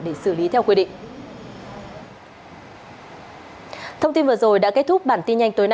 để xử lý theo quy định